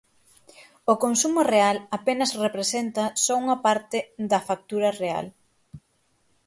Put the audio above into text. O consumo real apenas representa só unha parte da factura real.